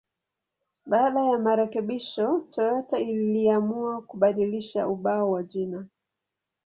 Baada ya marekebisho, Toyota iliamua kubadilisha ubao wa jina.